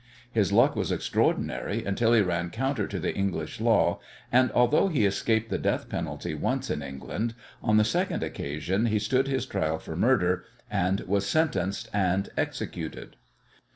His luck was extraordinary until he ran counter to the English law, and, although he escaped the death penalty once in England, on the second occasion he stood his trial for murder he was sentenced and executed.